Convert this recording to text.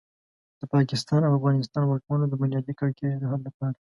د پاکستان او افغانستان واکمنو د بنیادي کړکېچ د حل لپاره.